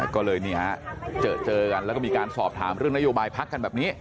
ก็เลยเจอกันแล้วก็มีการสอบถามเรื่องนโยบายพักกันแบบนี้